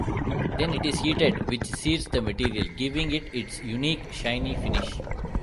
Then it is heated, which sears the material, giving it its unique shiny finish.